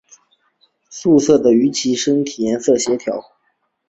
素色的鱼鳍与身体颜色很协调。